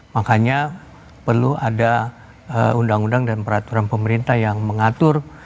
makanya perlu ada undang undang dan peraturan pemerintah yang mengatur